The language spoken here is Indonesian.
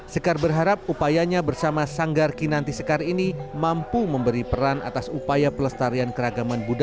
sekar berharap upayanya bersama sanggar kinanti sekar ini mampu memberi peran atas upaya pelestarian keragaman budaya